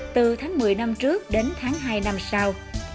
từ tháng một mươi năm trước đến tháng hai năm sau